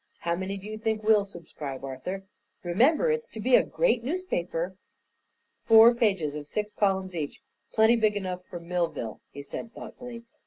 "How many do you think will subscribe, Arthur? Remember, it's to be a great newspaper." "Four pages of six columns each. Plenty big enough for Millville," he said, thoughtfully.